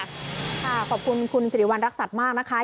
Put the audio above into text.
ขอบคุณคุณสิริวัณรักษัตริย์มากนะคะ